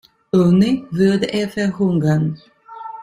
Ohne würde er verhungern.